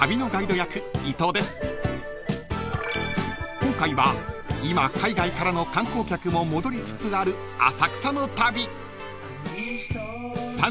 ［今回は今海外からの観光客も戻りつつある浅草の旅］